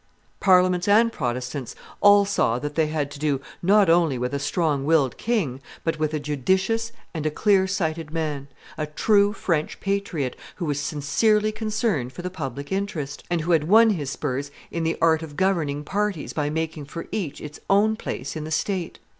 Parliaments and Protestants, all saw that they had to do not only with a strong willed king, but with a judicious and clearsighted man, a true French patriot, who was sincerely concerned for the public interest, and who had won his spurs in the art of governing parties by making for each its own place in the state.